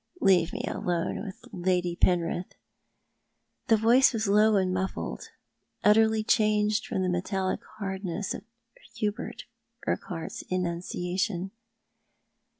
" Leave me alone with Lady Penrith." The voice was low and muflSed, utterly changed from the metallic hardness of Hubert Urquhart's enunciation.